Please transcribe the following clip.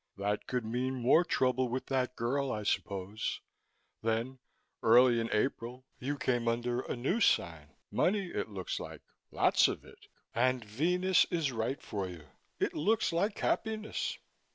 That could mean more trouble with that girl, I s'pose. Then early in April you came under a new sign money it looks like, lots, of it, and Venus is right for you. It looks like happiness.